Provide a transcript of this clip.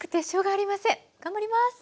頑張ります！